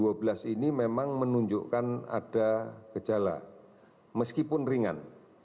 dan keseluruhannya di dua belas ini memang menunjukkan ada gejala meskipun ringan